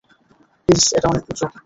Please, এটা অনেক উঁচু।